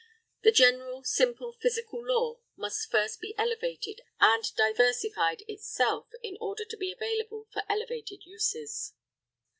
The general, simple, physical law must first be elevated and diversified itself in order to be available for elevated uses.